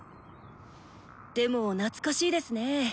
でも懐かしいですねぇ。